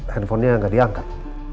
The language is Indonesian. handphone nya gak diangkat